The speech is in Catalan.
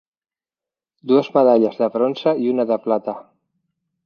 Dues medalles de bronze i una de plata.